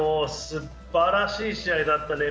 すばらしい試合だったですね。